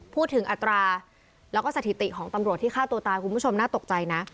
อัตราแล้วก็สถิติของตำรวจที่ฆ่าตัวตายคุณผู้ชมน่าตกใจนะ